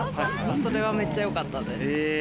それは、めっちゃよかったです。